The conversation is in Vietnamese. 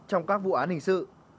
trong các vụ án hình sự